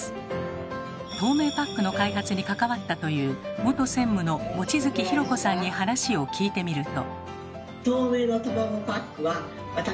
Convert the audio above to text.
透明パックの開発に関わったという元専務の望月宏子さんに話を聞いてみると。